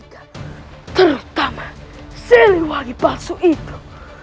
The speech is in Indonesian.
jangan telah menyerangkan kita